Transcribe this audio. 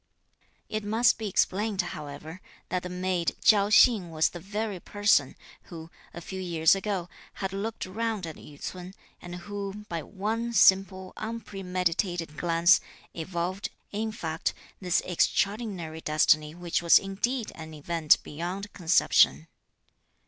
It must be explained, however, that the maid Chi'ao Hsing was the very person, who, a few years ago, had looked round at Yü ts'un and who, by one simple, unpremeditated glance, evolved, in fact, this extraordinary destiny which was indeed an event beyond conception.